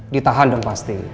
ditahan dong pasti